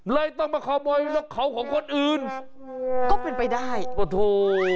เลยต้องมาขโมยรถเขาของคนอื่นก็เป็นไปได้โอ้โห